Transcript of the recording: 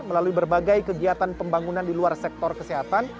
melalui berbagai kegiatan pembangunan di luar sektor kesehatan